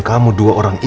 gak ada dirinya